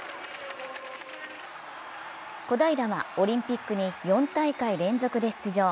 小平は、オリンピックに４大会連続で出場。